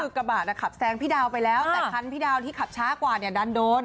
กระบะขับแซงพี่ดาวไปแล้วแต่คันพี่ดาวที่ขับช้ากว่าเนี่ยดันโดน